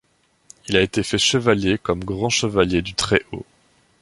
Il a été fait chevalier comme Grand Chevalier du Très Haut.